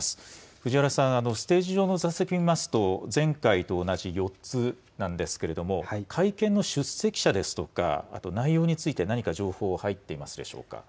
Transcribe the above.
藤原さん、ステージ上の座席見ますと、前回と同じ４つなんですけれども、会見の出席者ですとか、あと内容について、何か情報入っていますで